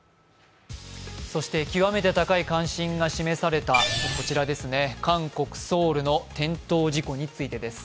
極めて高い関心が示された韓国ソウルの転倒事故についてです。